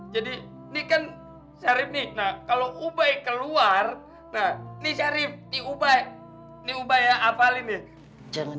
jangan keluar keluar dari tubuhnya syarif